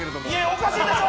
おかしいでしょ！